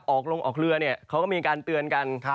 ออกลงออกเรือเนี่ยเขาก็มีการเตือนกัน